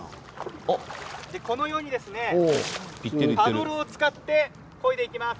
このようにパドルを使ってこいでいきます。